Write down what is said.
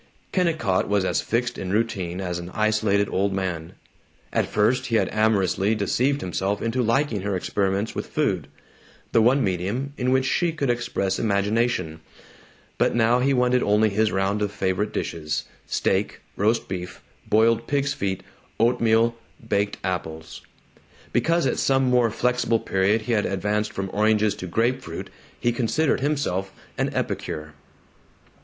Kennicott was as fixed in routine as an isolated old man. At first he had amorously deceived himself into liking her experiments with food the one medium in which she could express imagination but now he wanted only his round of favorite dishes: steak, roast beef, boiled pig's feet, oatmeal, baked apples. Because at some more flexible period he had advanced from oranges to grape fruit he considered himself an epicure.